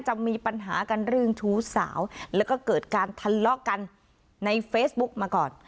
จะมีปัญหากันเรื่องชู้สาวแล้วก็เกิดการทะเลาะกันในเฟซบุ๊กมาก่อน